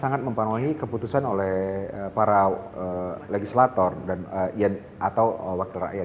sangat mempengaruhi keputusan oleh para legislator dan atau wakil rakyat